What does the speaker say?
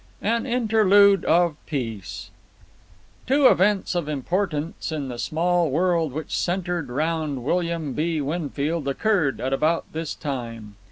An Interlude of Peace Two events of importance in the small world which centred round William B. Winfield occurred at about this time.